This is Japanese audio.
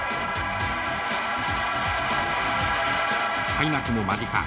開幕も間近。